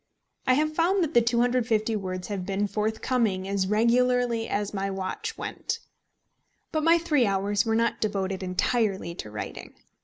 I have found that the 250 words have been forthcoming as regularly as my watch went. But my three hours were not devoted entirely to writing.